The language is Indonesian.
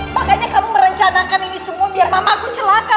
makanya kamu merencanakan ini semua biar mamaku celaka